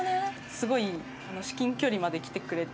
すごい至近距離まで来てくれて。